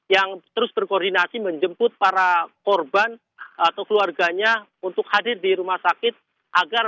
yang terus berkoordinasi menjemput para korban atau keluarganya untuk hadir di rumah sakit